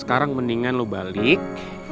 sekarang mendingan lo balik